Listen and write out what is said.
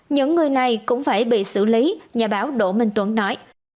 những người này cũng phải bị xử lý nhà báo đỗ minh tuấn nói